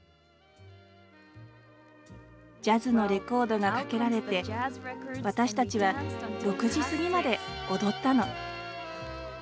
ジャズのレコードがかけられて私たちは６時過ぎまで踊ったの。